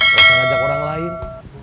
nggak usah ngajakin orang lain